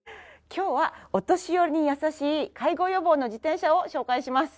今日はお年寄りに優しい介護予防の自転車を紹介します。